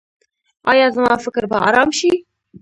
ایا زما فکر به ارام شي؟